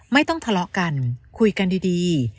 ไม่ต้องทะเลาะกันคุยกันดี